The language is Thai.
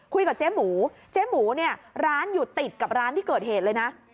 คุยกับเจ๊หมูเจ๊หมูเนี่ยร้านอยู่ติดกับร้านที่เกิดเหตุเลยนะ